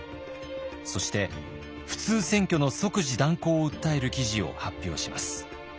そして普通選挙の即時断行を訴える記事を発表します。